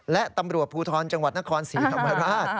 และตำรวจภูทรจังหวัดนครศรีธรรมราช